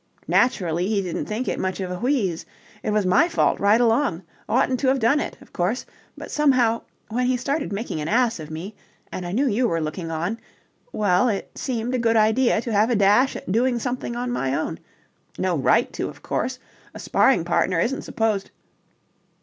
Naturally he didn't think it much of a wheeze. It was my fault right along. Oughtn't to have done it, of course, but somehow, when he started making an ass of me and I knew you were looking on... well, it seemed a good idea to have a dash at doing something on my own. No right to, of course. A sparring partner isn't supposed..."